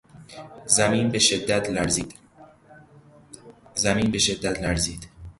زمین به شدت لرزید.